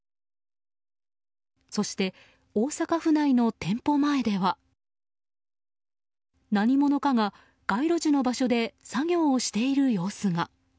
そして、大阪府内の店舗前では何者かが街路樹の場所で作業をしている様子が。